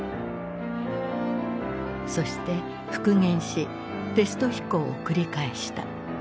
そして復元しテスト飛行を繰り返した。